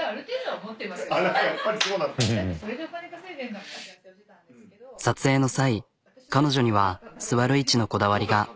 あらやっぱり撮影の際彼女には座る位置のこだわりが。